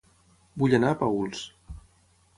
Vull anar a Paüls